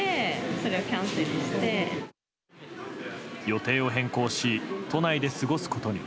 予定を変更し都内で過ごすことに。